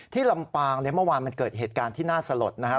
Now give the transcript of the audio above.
ลำปางเนี่ยเมื่อวานมันเกิดเหตุการณ์ที่น่าสลดนะครับ